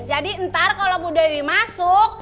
jadi ntar kalau bu dewi masuk